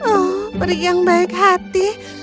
oh pergi yang baik hati